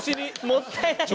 もったいないよ。